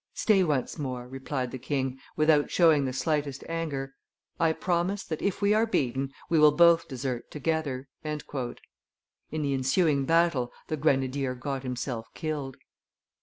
Stay once more," replied the king, without showing the slightest anger; "I promise that, if we are beaten, we will both desert together." In the ensuing battle the grenadier got himself killed.